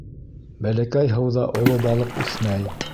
Бәләкәй һыуҙа оло балыҡ үҫмәй.